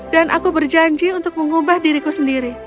dan aku berjanji untuk mengubah diriku sendiri